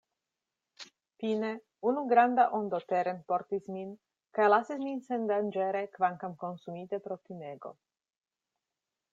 Fine, unu granda ondo terenportis min, kaj lasis min sendanĝere, kvankam konsumite pro timego.